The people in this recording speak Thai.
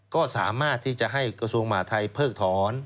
ก็สามารถที่จะให้กระทรวงมหาทัยเพิกถอน